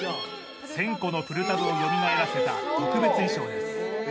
１０００個のプルタブをよみがえらせた特別衣装です。